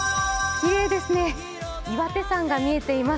きれいですね、岩手山が見えています。